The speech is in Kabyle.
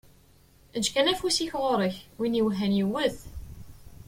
Eǧǧ kan afus-ik ɣur-k, win i iwehhan yewwet.